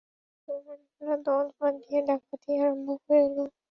মুসলমানেরা দল বাঁধিয়া ডাকাতি আরম্ভ করিল।